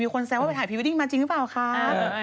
มีคนแซวเอาไปถ่ายพีวดิ่งมาจริงหรือเปล่าคะ